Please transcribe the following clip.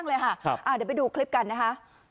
เดี๋ยวไปดูคลิปกันนะคะ